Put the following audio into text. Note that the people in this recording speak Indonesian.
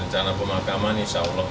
rencana pemakaman insyaallah